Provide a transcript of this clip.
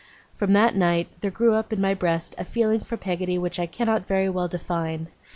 From that night there grew up in my breast a feeling for Peggotty which I cannot very well define.